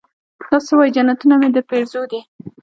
دا سه وايې جنتونه مې درپېرزو دي.